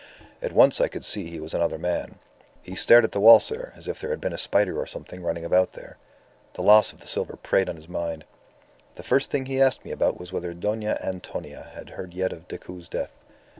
At once I could see he was another man. He stared at the wall, sir, as if there had been a spider or something running about there. The loss of the silver preyed on his mind. The first thing he asked me about was whether Dona Antonia had heard yet of Decoud's death.